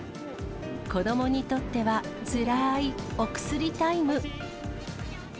子どもにとってはつらーいお薬タイム。